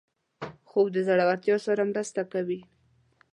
خوب د زړورتیا سره مرسته کوي